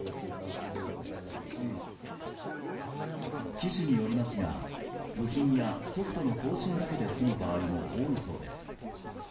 機種によりますが部品やソフトの更新だけで済む場合も多いそうです。